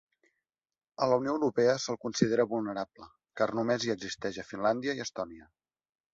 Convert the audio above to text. A la Unió Europea se'l considera vulnerable, car només hi existeix a Finlàndia i Estònia.